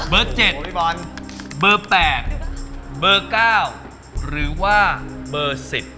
๗เบอร์๘เบอร์๙หรือว่าเบอร์๑๐